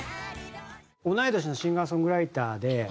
同い年のシンガーソングライターで。